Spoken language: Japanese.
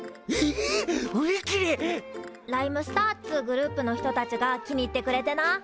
ライムスターっつうグループの人たちが気に入ってくれてな。